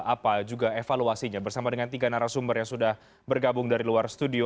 apa juga evaluasinya bersama dengan tiga narasumber yang sudah bergabung dari luar studio